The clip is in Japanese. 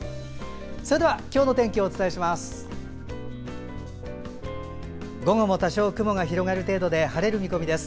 それでは今日の天気をお伝えします。